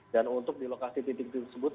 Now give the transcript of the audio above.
dan untuk di lokasi titik titik tersebut